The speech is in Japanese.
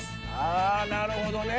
「ああなるほどね！」